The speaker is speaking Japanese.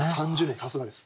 ３０年さすがです。